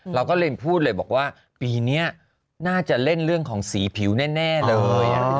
เราก็เลยพูดเลยบอกว่าปีนี้น่าจะเล่นเรื่องของสีผิวแน่เลย